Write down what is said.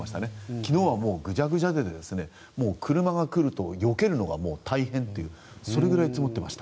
昨日はぐちゃぐちゃで車が来るとよけるのが大変というそれぐらい積もってました。